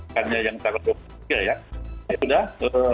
karena yang kalau berpikir ya itu sudah